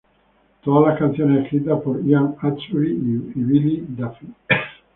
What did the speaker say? Todas las canciones escritas por Ian Astbury y Billy Duffy.